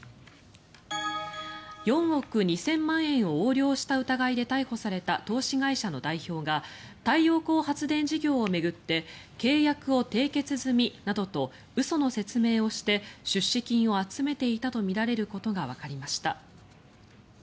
４億２０００万円を横領した疑いで逮捕された投資会社の代表が太陽光発電事業を巡って契約を締結済みなどと嘘の説明をして、出資金を集めていたとみられることがわかりました。